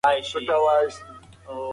پر وخت درملنه ژوند ژغوري